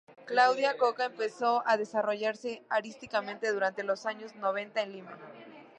Claudia Coca empezó a desarrollarse artísticamente durante los años noventa en Lima.